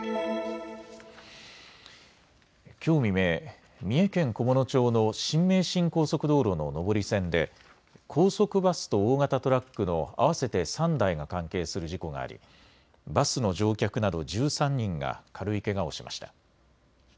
きょう未明、三重県菰野町の新名神高速道路の上り線で高速バスと大型トラックの合わせて３台が関係する事故があり、バスの乗客など１３人が軽いけがをしました。